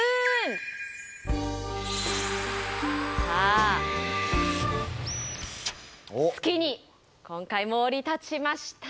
さあ月に今回も降り立ちました。